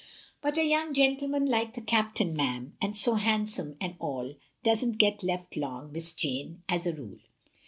But a young gentleman like the Captain, ma'am, and so handsome and all, does n't get left long. Miss Jane, as a rule.